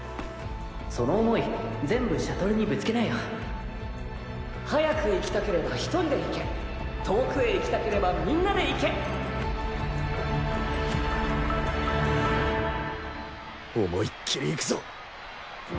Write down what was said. その想い全部シャトルにぶつけなよ早く行きたければ１人で行け遠くへ行きたければみんなで行け思いっきり行くぞ！